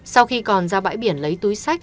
sau khi còn ra bãi biển lấy túi sách